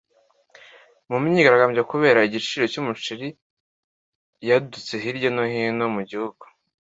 Mu , imyigaragambyo kubera igiciro cy'umuceri yadutse hirya no hino mu gihugu.